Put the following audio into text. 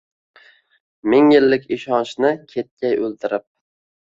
Ming yillik ishonchni ketgay o’ldirib.